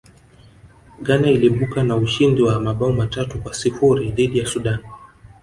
ghana iliibuka na ushindi wa mabao matatu kwa sifuri dhidi ya sudan